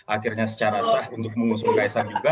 akhirnya secara sah untuk mengusung kaisang juga